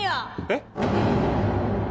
えっ？